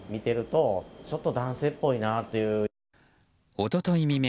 一昨日未明